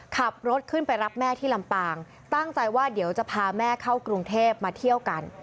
ขับรถขึ้นไปรับแม่ที่ลำปางตั้งใจว่าเดี๋ยวจะพาแม่เข้ากรุงเทพมาเที่ยวกัน